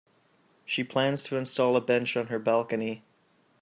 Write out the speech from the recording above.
She plans to install a bench on her balcony.